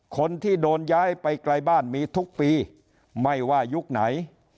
คนที่โดนย้ายไปไกลบ้านมีทุกปีไม่ว่ายุคไหน